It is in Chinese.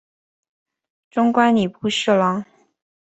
终官礼部侍郎。